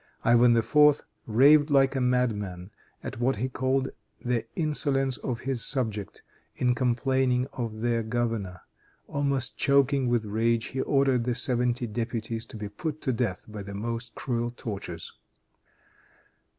Ivan IV. raved like a madman at what he called the insolence of his subjects, in complaining of their governor. Almost choking with rage, he ordered the seventy deputies to be put to death by the most cruel tortures.